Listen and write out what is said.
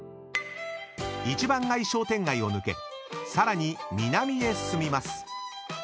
［一番街商店街を抜けさらに南へ進みます］